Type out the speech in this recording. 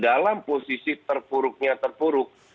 dalam posisi terpuruknya terpuruk